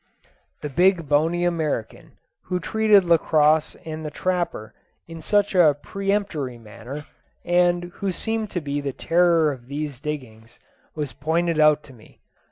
The big bony American, who treated Lacosse and the trapper in such a peremptory manner, and who seemed to be the terror of these diggings, was pointed out to me.